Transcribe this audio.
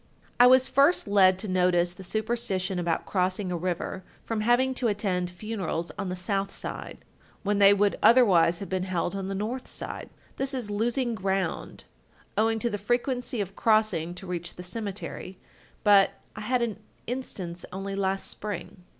"I was first led to notice the superstition about crossing a river, from having to attend funerals on the south side, when they would otherwise have been held on the north side. This is losing ground, owing to the frequency of crossing to reach the cemetery, but I had an instance only last spring."